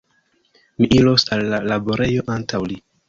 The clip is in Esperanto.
Mi iros al la laborejo antaŭ li.